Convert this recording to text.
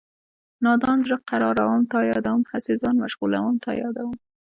نادان زړه قراروم تا یادوم هسې ځان مشغولوم تا یادوم